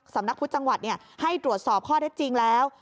สำนักพุทธจังหวัดให้ตรวจสอบข้อเท็จจริงแล้ว